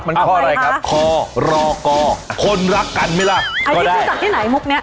มันข้ออะไรครับคอรอกอคนรักกันไหมล่ะอันนี้รู้จักที่ไหนมุกเนี้ย